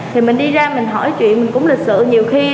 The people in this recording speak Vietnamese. thì mình đi ra mình hỏi chuyện mình cũng lịch sự